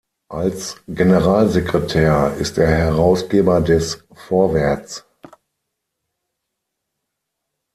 Als Generalsekretär ist er Herausgeber des "Vorwärts".